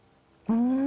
うん！